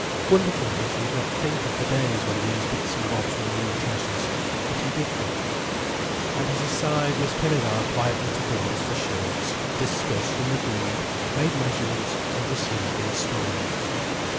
Wonderful that he did not think of the days when these bits and bobs were new treasures. But he did not. And at his side Miss Pinnegar quietly took orders for shirts, discussed and agreed, made measurements and received instalments.